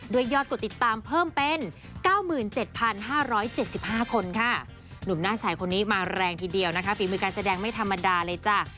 ยอดกดติดตามเพิ่มเป็น๙๗๕๗๕คนค่ะหนุ่มหน้าใสคนนี้มาแรงทีเดียวนะคะฝีมือการแสดงไม่ธรรมดาเลยจ้ะ